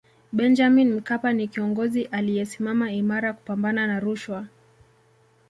benjamin mkapa ni kiongozi aliyesimama imara kupambana na rushwa